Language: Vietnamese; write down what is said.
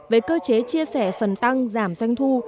về cơ chế chia sẻ phần tăng giảm doanh thu